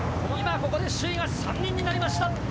今ここで首位が３人になりました！